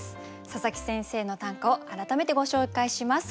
佐佐木先生の短歌を改めてご紹介します。